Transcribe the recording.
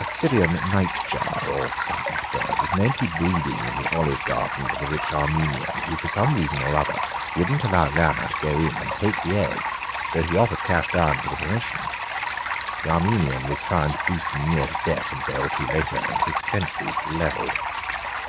A Syrian nightjar, or some such bird, was known to be breeding in the olive gardens of a rich Armenian, who for some reason or other wouldn't allow Lanner to go in and take the eggs, though he offered cash down for the permission. The Armenian was found beaten nearly to death a day or two later, and his fences levelled.